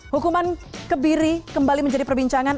hukuman kebiri kembali menjadi perbincangan